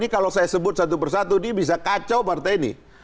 kalau saya sebut satu persatu dia bisa kacau partai ini